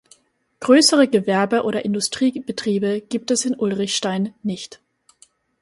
Größere Gewerbe- oder Industriebetriebe gibt es in Ulrichstein nicht.